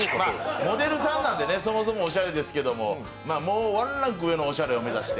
モデルさんなんでそもそもおしゃれですけどもうワンランク上のおしゃれを目指して。